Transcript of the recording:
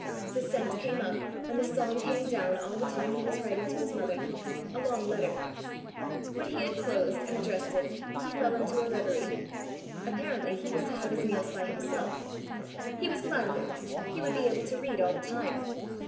The scent came up and the song came down all the time he was writing to his mother a long letter. When he had closed and addressed it, he fell into a reverie. Apparently he was to have his meals by himself: he was glad of it: he would be able to read all the time!